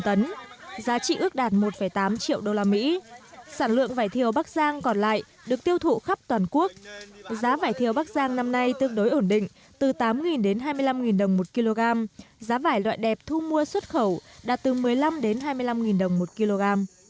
tổng sản lượng vải thiều bắc giang còn lại được tiêu thụ khắp toàn quốc giá vải thiều bắc giang năm nay tương đối ổn định từ tám đến hai mươi năm đồng một kg giá vải loại đẹp thu mua xuất khẩu đạt từ một mươi năm đến hai mươi năm đồng một kg